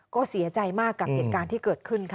ก็เสียใจมากกับเหตุการณ์ที่เกิดขึ้นค่ะ